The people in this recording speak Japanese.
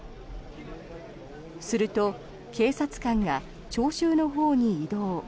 すると、警察官が聴衆のほうに移動。